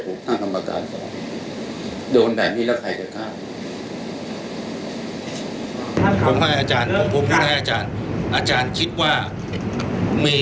ทุกที่ผมเห็นต่อผมก็เห็นตัวของเป็นคนทำชาติทำอะไรทำบัญชีอะไรเพราะบัญชีไม่ออกออกไป